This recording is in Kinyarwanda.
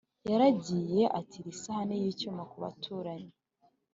Yaragiye atira isahane y’icyuma ku baturanyi,